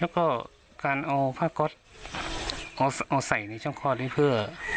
แล้วก็การเอาผ้าก๊อตเอาใส่ในช่องคลอดนี้เพื่อ